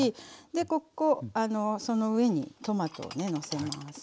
ここその上にトマトをのせます。